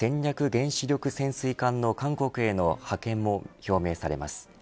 原子力潜水艦の韓国への派遣も表明されます。